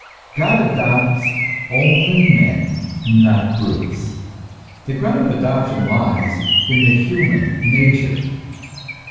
God adopts only men, not brutes. The ground of adoption lies in the human nature.